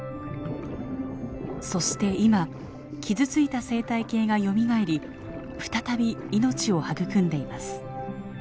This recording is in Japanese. そして今傷ついた生態系がよみがえり再び命を育んでいます。